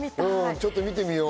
ちょっと見てみよう。